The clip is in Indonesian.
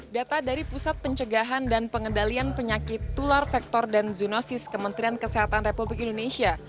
data dari pusat pencegahan dan pengendalian penyakit tular vektor dan zoonosis kementerian kesehatan republik indonesia